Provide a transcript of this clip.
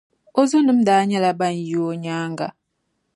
O zonima daa nyɛla ban yi o nyaaŋa.